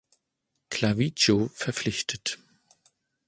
Clavijo verpflichtet.